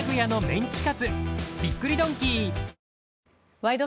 「ワイド！